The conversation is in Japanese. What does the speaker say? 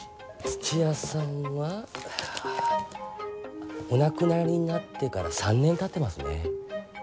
土屋さんはお亡くなりになってから３年たってますね。